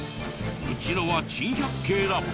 うちのは珍百景だ！